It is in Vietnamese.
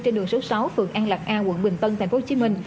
trên đường số sáu phường an lạc a quận bình tân tp hcm